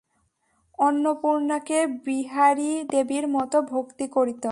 অন্নপূর্ণাকে বিহারী দেবীর মতো ভক্তি করিত।